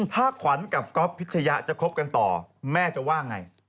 ถ้าขวัญกับก๊อฟพิชยะจะคบกันต่อแม่จะว่าไง